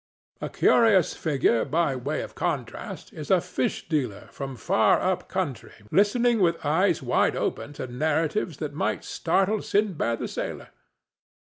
A curious figure, by way of contrast, is a fish dealer from far up country listening with eyes wide open to narratives that might startle Sinbad the Sailor.